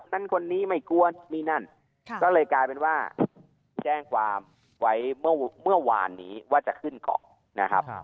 นั้นคนนี้ไม่กลัวนี่นั่นก็เลยกลายเป็นว่าแจ้งความไว้เมื่อวานนี้ว่าจะขึ้นเกาะนะครับ